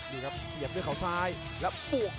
แชลเบียนชาวเล็ก